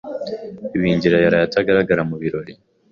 Bingira yaraye atagaragara mu birori.